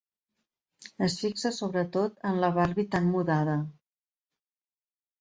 Es fixa sobretot en la barbi tan mudada.